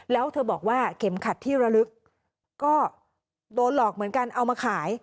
แล้วเธอบอกว่าเข็มขัดที่ระลึกก็โดนหลอกเหมือนกันเอามาขาย